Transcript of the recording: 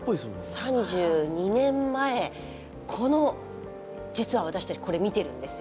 今から３２年前この実は私たちこれ見てるんですよ。